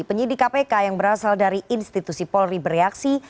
penyidik kpk yang berasal dari institusi polri bereaksi